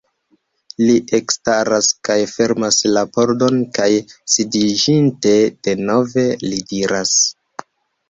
Li ekstaras kaj fermas la pordon kaj sidiĝinte denove, li diras: